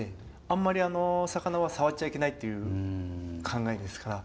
あんまりあの魚は触っちゃいけないっていう考えですから。